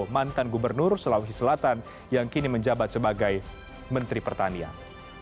mantan gubernur sulawesi selatan yang kini menjabat sebagai menteri pertanian